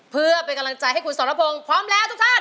เพื่อเป็นกำลังใจให้คุณสรพงศ์พร้อมแล้วทุกท่าน